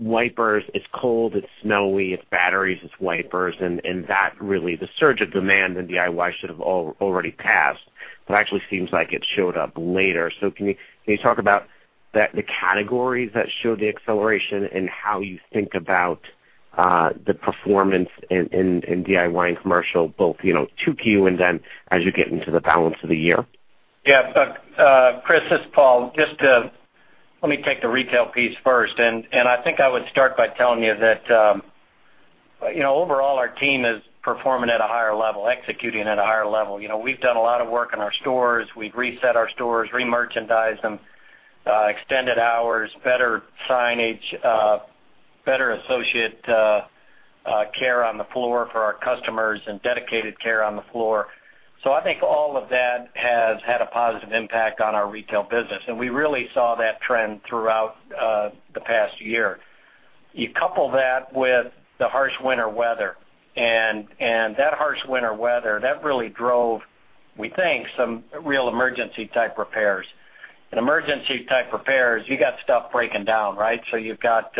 S10: wipers, it's cold, it's snowy, it's batteries, it's wipers," and that really the surge of demand in DIY should have already passed, but actually seems like it showed up later. Can you talk about the categories that showed the acceleration and how you think about the performance in DIY and commercial, both 2Q and then as you get into the balance of the year?
S4: Yeah. Chris, this is Paul. Just let me take the retail piece first. I think I would start by telling you that, overall our team is performing at a higher level, executing at a higher level. We've done a lot of work in our stores. We've reset our stores, re-merchandised them, extended hours, better signage, better associate care on the floor for our customers and dedicated care on the floor. I think all of that has had a positive impact on our retail business. We really saw that trend throughout the past year. You couple that with the harsh winter weather, and that harsh winter weather, that really drove, we think, some real emergency-type repairs. In emergency-type repairs, you got stuff breaking down, right? You've got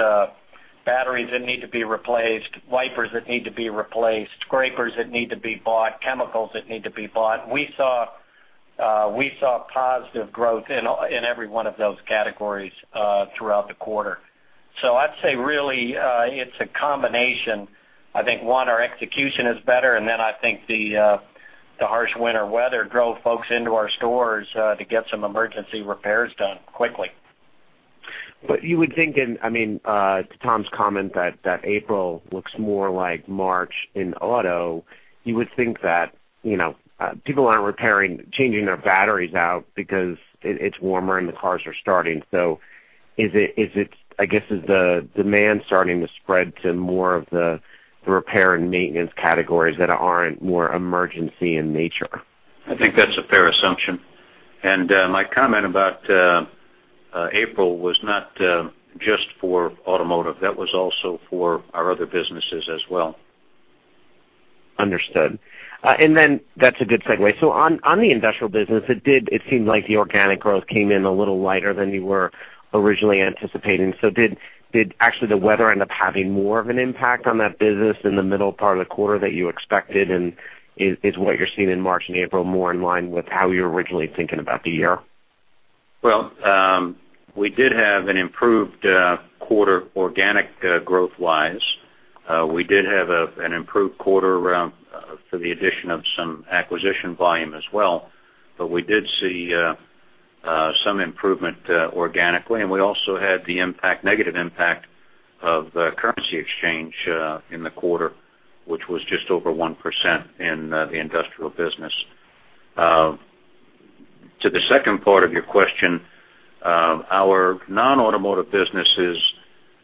S4: batteries that need to be replaced, wipers that need to be replaced, scrapers that need to be bought, chemicals that need to be bought. We saw positive growth in every one of those categories throughout the quarter. I'd say really, it's a combination. I think, one, our execution is better, and then I think the harsh winter weather drove folks into our stores to get some emergency repairs done quickly.
S10: You would think in, to Tom's comment that April looks more like March in auto, you would think that people aren't repairing, changing their batteries out because it's warmer and the cars are starting. I guess is the demand starting to spread to more of the repair and maintenance categories that aren't more emergency in nature?
S3: I think that's a fair assumption. My comment about April was not just for automotive, that was also for our other businesses as well.
S10: Understood. That's a good segue. On the industrial business, it seemed like the organic growth came in a little lighter than you were originally anticipating. Did actually the weather end up having more of an impact on that business in the middle part of the quarter that you expected? Is what you're seeing in March and April more in line with how you were originally thinking about the year?
S3: Well, we did have an improved quarter organic growth-wise. We did have an improved quarter for the addition of some acquisition volume as well. We did see some improvement organically, and we also had the negative impact of the currency exchange in the quarter, which was just over 1% in the industrial business. To the second part of your question, our non-automotive businesses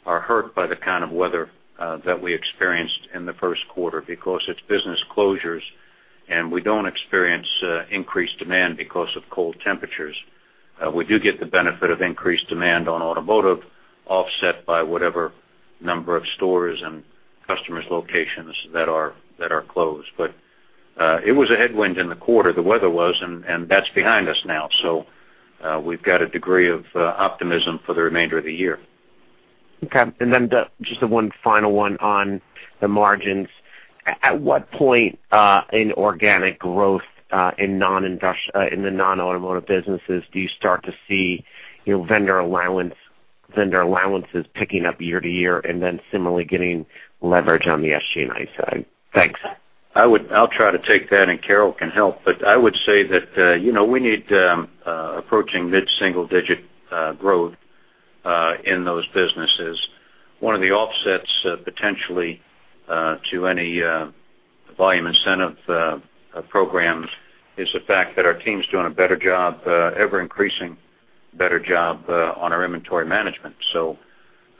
S3: are hurt by the kind of weather that we experienced in the first quarter because it's business closures, and we don't experience increased demand because of cold temperatures. We do get the benefit of increased demand on automotive offset by whatever number of stores and customers locations that are closed. It was a headwind in the quarter, the weather was, and that's behind us now. We've got a degree of optimism for the remainder of the year.
S10: Okay. Just the one final one on the margins. At what point in organic growth in the non-automotive businesses do you start to see vendor allowances picking up year to year and similarly getting leverage on the SG&A side? Thanks.
S3: I'll try to take that, and Carol can help. I would say that we need approaching mid-single digit growth in those businesses. One of the offsets, potentially, to any volume incentive programs is the fact that our team's doing an ever-increasing better job on our inventory management.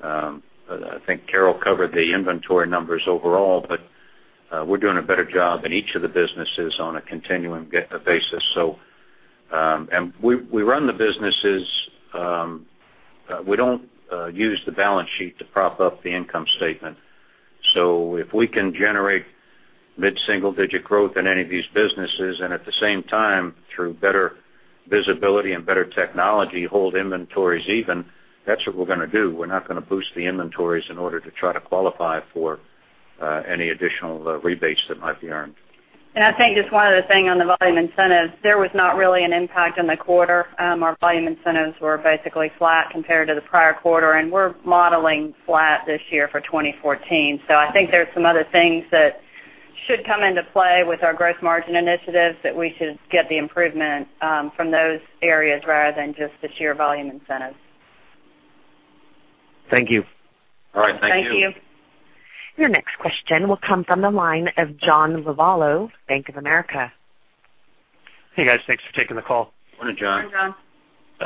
S3: I think Carol covered the inventory numbers overall, but we're doing a better job in each of the businesses on a continuing basis. We run the businesses, we don't use the balance sheet to prop up the income statement. If we can generate mid-single digit growth in any of these businesses, and at the same time, through better visibility and better technology, hold inventories even, that's what we're going to do. We're not going to boost the inventories in order to try to qualify for any additional rebates that might be earned.
S5: I think just one other thing on the volume incentives. There was not really an impact on the quarter. Our volume incentives were basically flat compared to the prior quarter, and we're modeling flat this year for 2014. I think there's some other things that should come into play with our growth margin initiatives that we should get the improvement from those areas rather than just the sheer volume incentives.
S10: Thank you.
S3: All right. Thank you.
S5: Thank you.
S1: Your next question will come from the line of John Lovallo, Bank of America.
S11: Hey, guys. Thanks for taking the call.
S3: Morning, John.
S5: Morning,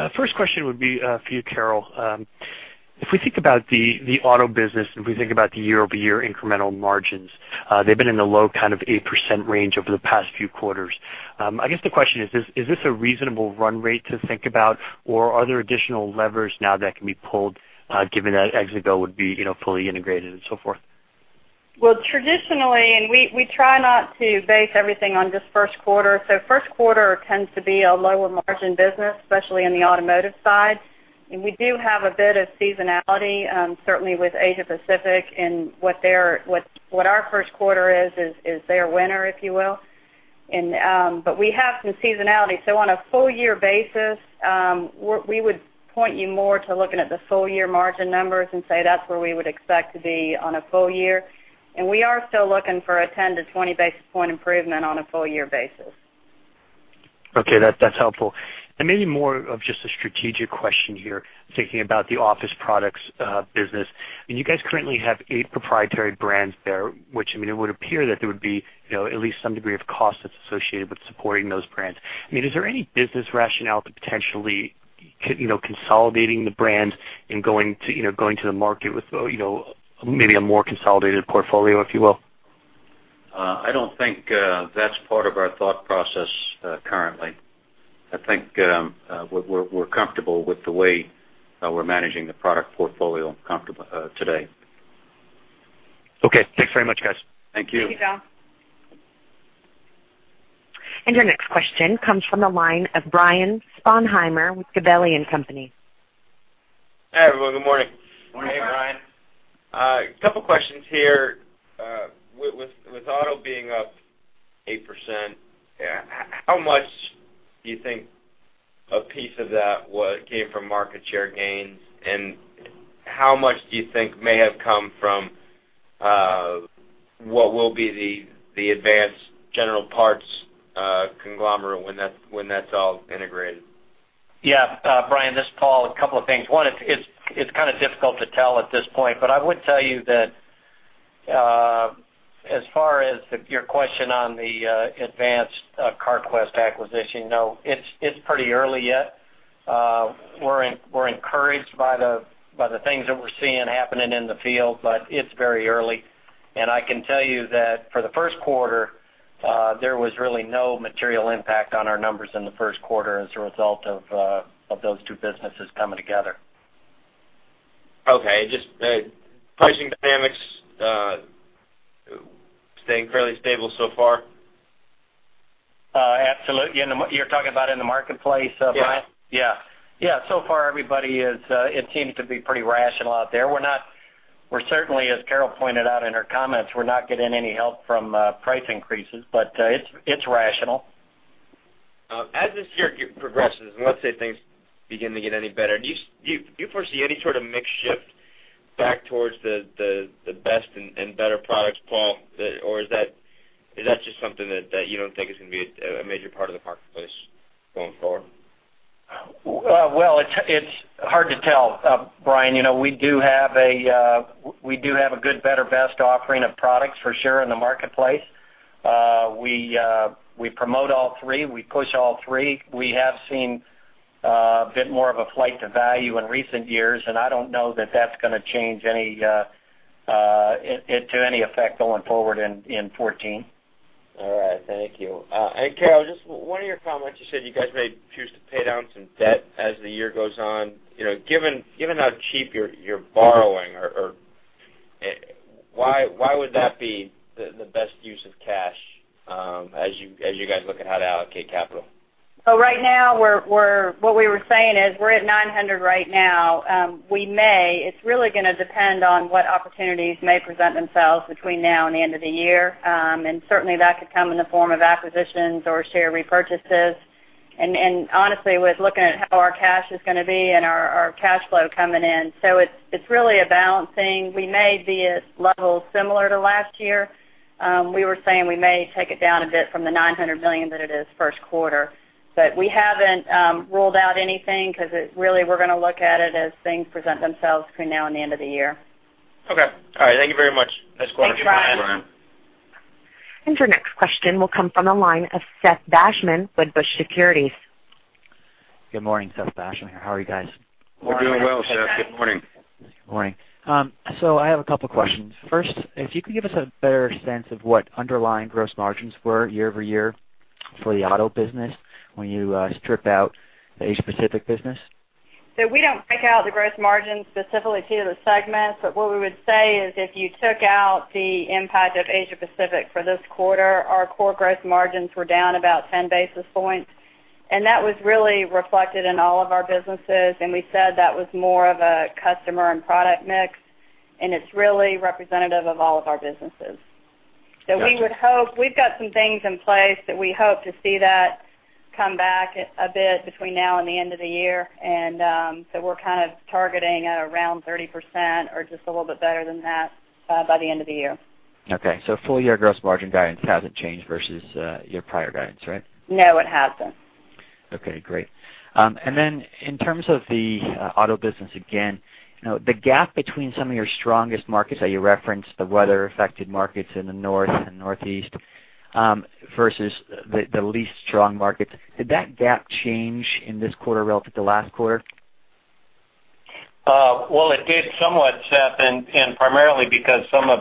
S5: John.
S11: First question would be for you, Carol. If we think about the auto business and we think about the year-over-year incremental margins, they've been in the low kind of 8% range over the past few quarters. I guess the question is this a reasonable run rate to think about, or are there additional levers now that can be pulled, given that Exide would be fully integrated and so forth?
S5: Well, traditionally, we try not to base everything on just first quarter. First quarter tends to be a lower margin business, especially in the automotive side. We do have a bit of seasonality, certainly with Asia Pacific and what our first quarter is their winter, if you will. We have some seasonality. On a full year basis, we would point you more to looking at the full year margin numbers and say that's where we would expect to be on a full year. We are still looking for a 10 to 20 basis point improvement on a full year basis.
S11: Okay. That's helpful. Maybe more of just a strategic question here, thinking about the office products business. You guys currently have eight proprietary brands there, which it would appear that there would be at least some degree of cost that's associated with supporting those brands. Is there any business rationale to potentially consolidating the brands and going to the market with maybe a more consolidated portfolio, if you will?
S3: I don't think that's part of our thought process currently. I think we're comfortable with the way we're managing the product portfolio today.
S11: Okay. Thanks very much, guys.
S3: Thank you.
S5: Thank you, John.
S1: Your next question comes from the line of Brian Sponheimer with Gabelli & Company.
S12: Hi, everyone. Good morning.
S4: Morning.
S5: Hey, Brian.
S12: A couple of questions here. With auto being up 8%, how much do you think a piece of that came from market share gains, and how much do you think may have come from what will be the Advance General Parts conglomerate when that's all integrated?
S4: Yeah. Brian, this is Paul. A couple of things. One, it's kind of difficult to tell at this point, but I would tell you that as far as your question on the Advance Carquest acquisition, it's pretty early yet. We're encouraged by the things that we're seeing happening in the field, but it's very early. I can tell you that for the first quarter, there was really no material impact on our numbers in the first quarter as a result of those two businesses coming together.
S12: Okay. Just pricing dynamics, staying fairly stable so far?
S4: Absolutely. You're talking about in the marketplace, Brian?
S12: Yeah.
S4: Yeah. So far, it seems to be pretty rational out there. We're certainly, as Carol pointed out in her comments, we're not getting any help from price increases, but it's rational.
S12: As this year progresses, and let's say things begin to get any better, do you foresee any sort of mix shift back towards the best and better products, Paul, or is that just something that you don't think is going to be a major part of the marketplace going forward?
S4: Well, it's hard to tell, Brian. We do have a good-better-best offering of products for sure in the marketplace. We promote all three. We push all three. We have seen a bit more of a flight to value in recent years, and I don't know that that's going to change to any effect going forward in 2014.
S12: All right. Thank you. Hey, Carol, just one of your comments, you said you guys may choose to pay down some debt as the year goes on. Given how cheap you're borrowing, why would that be the best use of cash as you guys look at how to allocate capital?
S5: Right now, what we were saying is we're at $900 million right now. It's really going to depend on what opportunities may present themselves between now and the end of the year. Certainly, that could come in the form of acquisitions or share repurchases, and honestly, with looking at how our cash is going to be and our cash flow coming in. It's really a balancing. We may be at levels similar to last year. We were saying we may take it down a bit from the $900 million that it is first quarter. We haven't ruled out anything because, really, we're going to look at it as things present themselves between now and the end of the year.
S12: Okay. All right. Thank you very much. Nice quarter.
S5: Thanks, Brian.
S4: Thank you, Brian.
S1: Your next question will come from the line of Seth Basham with Wedbush Securities.
S13: Good morning, Seth Basham here. How are you guys?
S4: We're doing well, Seth. Good morning.
S13: Good morning. I have a couple questions. First, if you could give us a better sense of what underlying gross margins were year-over-year for the auto business when you strip out the Asia Pacific business.
S5: We don't break out the gross margins specifically to the segments. What we would say is if you took out the impact of Asia Pacific for this quarter, our core gross margins were down about 10 basis points, and that was really reflected in all of our businesses, and we said that was more of a customer and product mix, and it's really representative of all of our businesses.
S13: Got you.
S5: We've got some things in place that we hope to see that come back a bit between now and the end of the year. We're kind of targeting at around 30% or just a little bit better than that by the end of the year.
S13: Okay. Full-year gross margin guidance hasn't changed versus your prior guidance, right?
S5: No, it hasn't.
S13: Okay, great. In terms of the auto business, again, the gap between some of your strongest markets that you referenced, the weather-affected markets in the North and Northeast versus the least strong markets, did that gap change in this quarter relative to last quarter?
S4: Well, it did somewhat, Seth, primarily because some of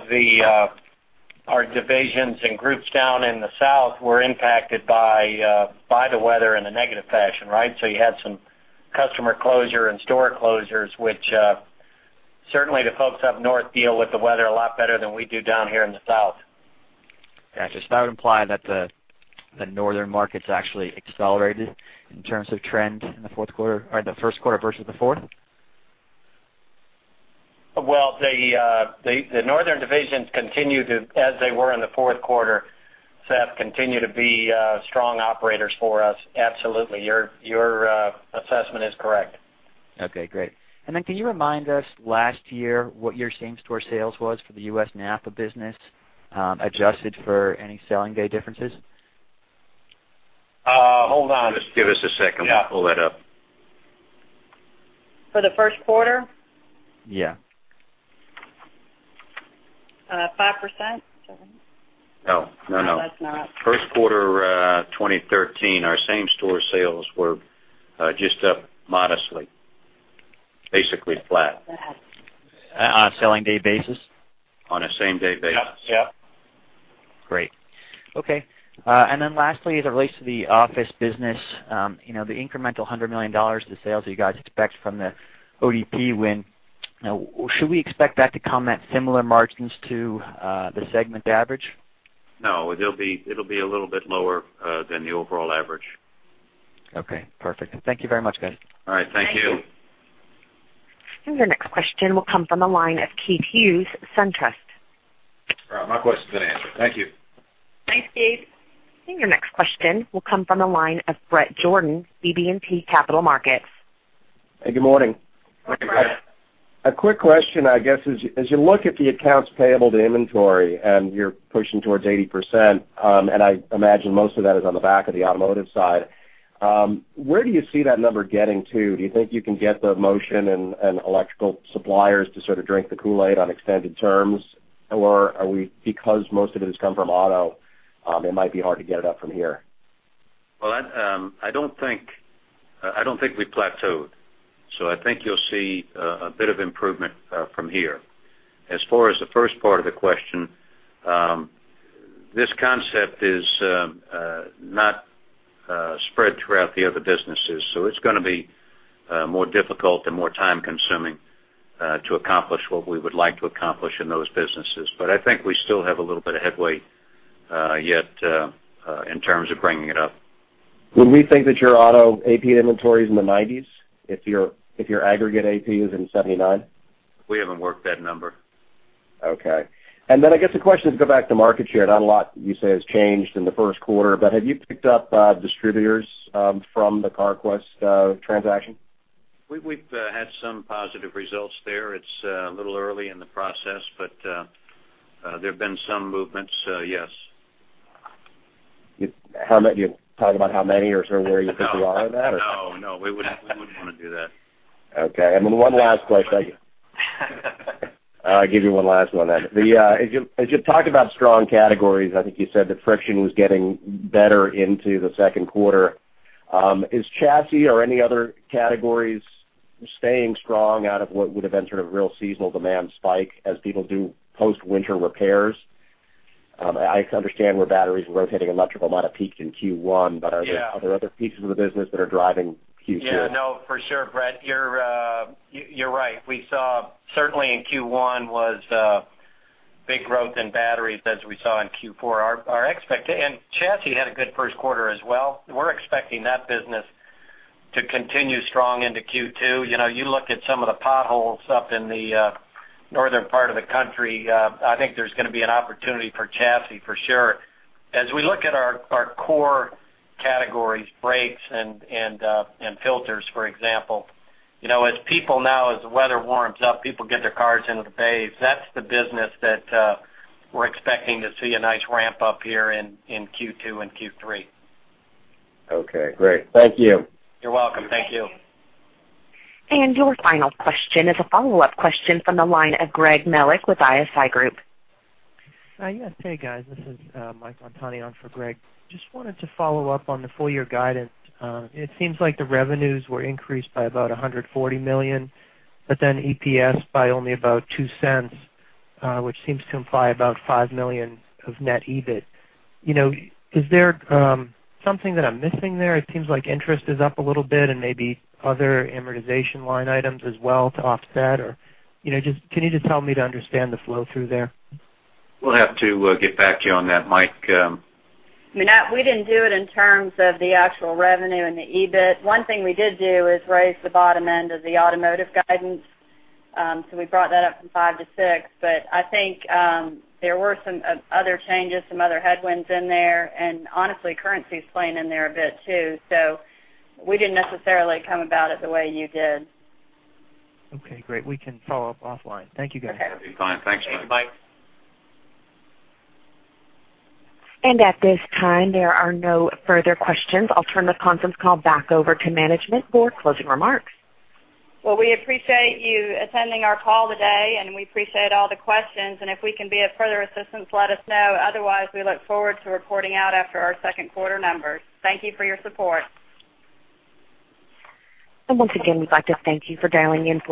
S4: our divisions and groups down in the South were impacted by the weather in a negative fashion. You had some customer closure and store closures, which certainly the folks up North deal with the weather a lot better than we do down here in the South.
S13: Got you. That would imply that the northern markets actually accelerated in terms of trend in the first quarter versus the fourth?
S4: Well, the northern divisions, as they were in the fourth quarter, Seth, continue to be strong operators for us. Absolutely. Your assessment is correct.
S13: Okay, great. Can you remind us last year what your same-store sales was for the U.S. NAPA business, adjusted for any selling day differences?
S4: Hold on. Just give us a second.
S5: Yeah.
S4: We'll pull that up.
S5: For the first quarter?
S13: Yeah.
S5: 5%?
S4: No.
S5: No, that's not.
S4: First quarter 2013, our same store sales were just up modestly. Basically flat.
S5: That happens.
S13: On a selling day basis?
S4: On a same day basis.
S5: Yep.
S13: Great. Okay. Lastly, as it relates to the office business, the incremental $100 million of sales that you guys expect from the ODP win, should we expect that to come at similar margins to the segment average?
S3: No, it'll be a little bit lower than the overall average.
S13: Okay, perfect. Thank you very much, guys.
S3: All right, thank you.
S1: Your next question will come from the line of Keith Hughes, SunTrust.
S14: All right. My question's been answered. Thank you.
S1: Thanks, Keith. Your next question will come from the line of Bret Jordan, BB&T Capital Markets.
S15: Hey, good morning.
S3: Morning, Bret.
S15: A quick question, I guess, as you look at the accounts payable to inventory, you're pushing towards 80%, and I imagine most of that is on the back of the automotive side, where do you see that number getting to? Do you think you can get the Motion and electrical suppliers to sort of drink the Kool-Aid on extended terms? Are we, because most of it has come from auto, it might be hard to get it up from here?
S3: Well, I don't think we've plateaued, I think you'll see a bit of improvement from here. As far as the first part of the question, this concept is not spread throughout the other businesses, it's gonna be more difficult and more time-consuming to accomplish what we would like to accomplish in those businesses. I think we still have a little bit of headway, yet in terms of bringing it up.
S15: Would we think that your auto AP inventory is in the 90s if your aggregate AP is in 79?
S3: We haven't worked that number.
S15: Okay. I guess the question is go back to market share. Not a lot you say has changed in the first quarter, but have you picked up distributors from the Carquest transaction?
S3: We've had some positive results there. It's a little early in the process, but there have been some movements. Yes.
S15: Can you talk about how many or sort of where you think you are on that?
S3: No. We wouldn't want to do that.
S15: Okay. Then one last question. I'll give you one last one then. As you talked about strong categories, I think you said that friction was getting better into the second quarter. Is Chassis or any other categories staying strong out of what would have been sort of real seasonal demand spike as people do post-winter repairs? I understand where batteries and rotating electrical might have peaked in Q1.
S3: Yeah
S15: Are there other pieces of the business that are driving Q2?
S4: Yeah. No, for sure, Bret, you're right. We saw certainly in Q1 was a big growth in batteries as we saw in Q4. Chassis had a good first quarter as well. We're expecting that business to continue strong into Q2. You look at some of the potholes up in the northern part of the country, I think there's gonna be an opportunity for Chassis for sure. As we look at our core categories, brakes and filters, for example, as people now, as the weather warms up, people get their cars into the bays. That's the business that we're expecting to see a nice ramp up here in Q2 and Q3.
S15: Okay, great. Thank you.
S3: You're welcome. Thank you.
S1: Your final question is a follow-up question from the line of Gregory Melich with ISI Group.
S16: Yes. Hey, guys. This is Michael Montani for Greg. Just wanted to follow up on the full year guidance. It seems like the revenues were increased by about $140 million, but then EPS by only about $0.02, which seems to imply about $5 million of net EBIT. Is there something that I'm missing there? It seems like interest is up a little bit and maybe other amortization line items as well to offset, or can you just help me to understand the flow through there?
S3: We'll have to get back to you on that, Mike.
S5: We didn't do it in terms of the actual revenue and the EBIT. One thing we did do is raise the bottom end of the automotive guidance. We brought that up from five to six. I think, there were some other changes, some other headwinds in there, and honestly, currency's playing in there a bit too. We didn't necessarily come about it the way you did.
S16: Okay, great. We can follow up offline. Thank you, guys.
S4: Okay. Fine. Thanks, Mike.
S5: Okay, bye.
S1: At this time, there are no further questions. I'll turn this conference call back over to management for closing remarks.
S5: Well, we appreciate you attending our call today, and we appreciate all the questions, and if we can be of further assistance, let us know. Otherwise, we look forward to reporting out after our second quarter numbers. Thank you for your support.
S1: Once again, we'd like to thank you for dialing in for